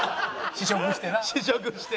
「試食して」